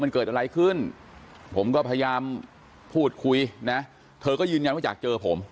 มันเกิดอะไรขึ้นผมก็พยายามพูดคุยนะเธอก็ยืนยันว่าอยากเจอผม